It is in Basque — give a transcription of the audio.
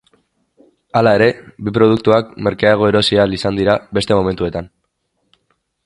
Hala ere, bi produktuak merkeago erosi ahal izan dira beste momentuetan.